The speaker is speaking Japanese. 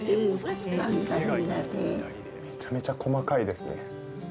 めちゃめちゃ細かいですね。